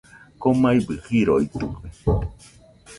Komaibɨ riroitɨkue.